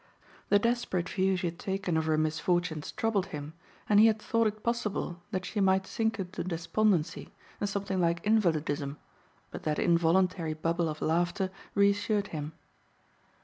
The desperate view she had taken of her misfortunes troubled him, and he had thought it possible that she might sink into despondency and something like invalidism; but that involuntary bubble of laughter reassured him.